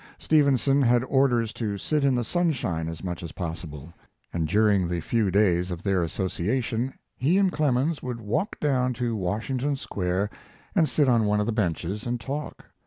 Stevenson had orders to sit in the sunshine as much as possible, and during the few days of their association he and Clemens would walk down to Washington Square and sit on one of the benches and talk.